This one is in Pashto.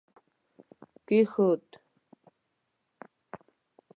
کښېښود